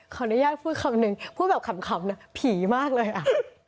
ขออนุญาตพูดคำหนึ่งพูดแบบขำนะผีมากเลยอ่ะ